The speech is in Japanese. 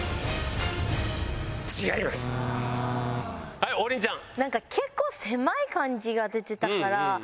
はい王林ちゃん。